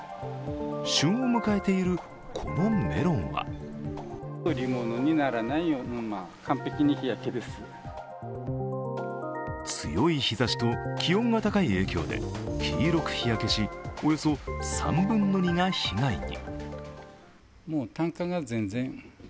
旬を迎えているこのメロンは強い日ざしと気温が高い影響で黄色く日焼けし、およそ３分の２が被害に。